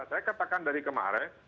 saya katakan dari kemarin